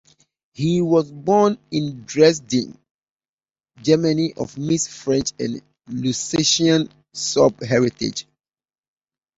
He was born in Dresden, Germany of mixed French and Lusatian Sorb heritage.